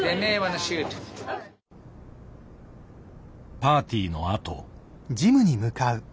パーティーのあと。